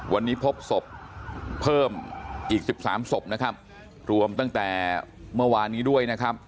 วันนี้พบศพเพิ่มอีกสิบสามศพนะครับรวมตั้งแต่เมื่อวานนี้ด้วยนะครับ